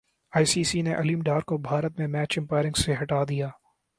ائی C C نے علیم ڈار کو بھارت میں میچ امپائرنگ سے ہٹا دیا